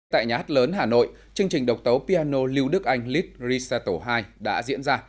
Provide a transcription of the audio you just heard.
tại nhát lớn hà nội chương trình độc tấu piano lưu đức anh lít risato ii đã diễn ra